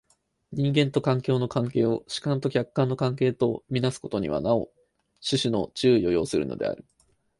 人間と環境の関係を主観と客観の関係と看做すことにはなお種々の注意を要するのである。